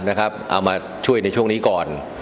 เอามาช่วยในช่วงนี้ก่อน